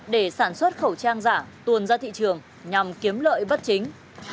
để sản xuất khẩu trang giả tuồn ra thị trường nhằm kiếm lợi bất chính